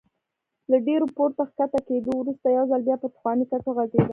له ډېر پورته کښته کېدو وروسته یو ځل بیا پر پخواني کټ وغځېدم.